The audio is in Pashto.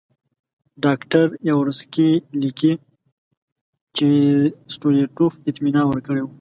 ډاکټر یاورسکي لیکي چې ستولیټوف اطمینان ورکړی وو.